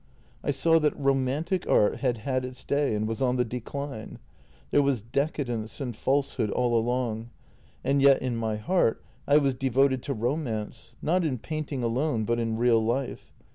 I saw that romantic art had had its day and was on the decline — there was decadence and false hood all along — and yet in my heart I was devoted to romance, not in painting alone, but in real life.